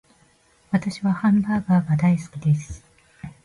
私はハンバーガーが大好きです